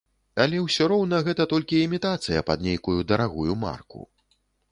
Але ўсё роўна гэта толькі імітацыя пад нейкую дарагую марку.